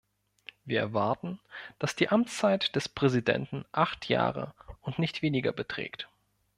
Wir erwarten, dass die Amtszeit des Präsidenten acht Jahre und nicht weniger beträgt.